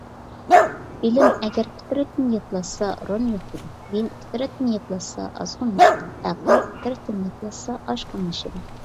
بىلىم ئەگەر پىترەتتىن ياتلاشسا رولىنى يوقىتىدۇ. دىن پىترەتتىن ياتلاشسا ئازغۇنلىشىدۇ. ئەقىل پىترەتتىن ياتلاشسا ئاشقۇنلىشىدۇ.